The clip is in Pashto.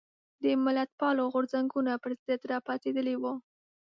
د ملتپالو غورځنګونو پر ضد راپاڅېدلي وو.